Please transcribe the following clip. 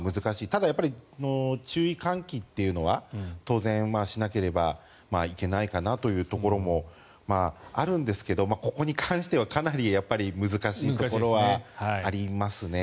ただ、注意喚起というのは当然しなければいけないかなというところもあるんですけどここに関してはかなり難しいところはありますね。